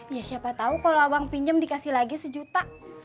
ya siapa tahu kalau abang pinjam dikasih lagi sejuta